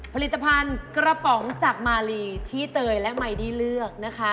ผลิตภัณฑ์กระป๋องจากมาลีที่เตยและไมดี้เลือกนะคะ